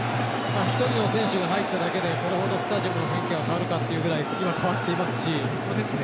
１人の選手が入っただけでこれほどスタジアムの雰囲気が変わるかっていうぐらい今、変わっていますし。